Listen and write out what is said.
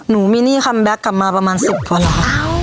หนูมีนี่คัมแบคกลับมาประมาณสิบวันแล้วอ้าว